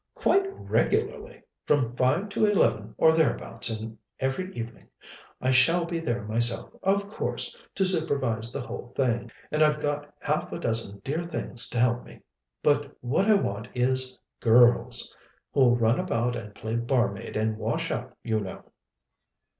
"Quite regularly from five to eleven or thereabouts every evening. I shall be there myself, of course, to supervise the whole thing, and I've got half a dozen dear things to help me: but what I want is girls, who'll run about and play barmaid and wash up, you know."